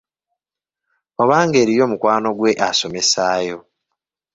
Oba ng'eriyo mukwano gwe asomesaayo.